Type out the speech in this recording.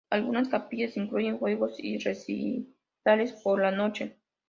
Algunas capillas incluyen juegos y recitales por la noche.